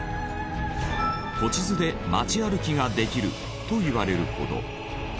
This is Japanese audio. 古地図で街歩きができるといわれるほど。